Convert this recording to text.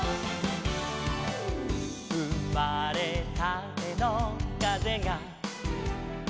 「うまれたてのかぜが」